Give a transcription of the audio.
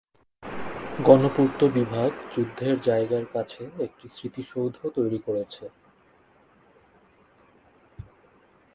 গণপূর্ত বিভাগ যুদ্ধের জায়গার কাছে একটি স্মৃতিসৌধ তৈরি করেছে।